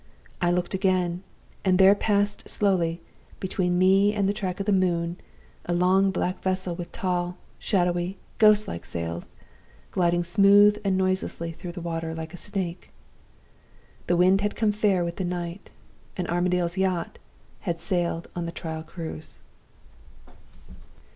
I looked again, and there passed slowly, between me and the track of the moon, a long black vessel with tall, shadowy, ghostlike sails, gliding smooth and noiseless through the water, like a snake. "The wind had come fair with the night; and Armadale's yacht had sailed on the trial cruise."